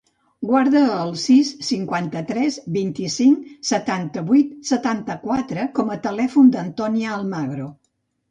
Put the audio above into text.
Guarda el sis, cinquanta-tres, vint-i-cinc, setanta-vuit, setanta-quatre com a telèfon de l'Antònia Almagro.